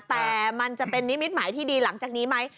แต่มันจะเป็นนิมิตหมายที่ดีหลังจากนี้ไหม